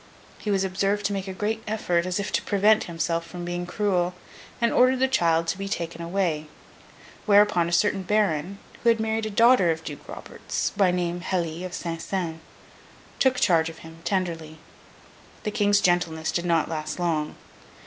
He was observed to make a great effort, as if to prevent himself from being cruel, and ordered the child to be taken away; whereupon a certain Baron, who had married a daughter of Duke Robert's (by name, Helie of Saint Saen), took charge of him, tenderly. The King's gentleness did not last long.